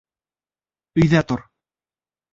Өйҙә тор.